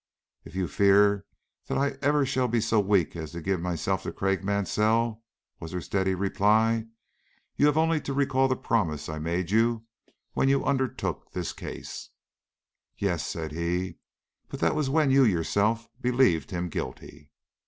"If you fear that I shall ever be so weak as to give myself to Craik Mansell," was her steady reply, "you have only to recall the promise I made you when you undertook his case." "Yes," said he, "but that was when you yourself believed him guilty."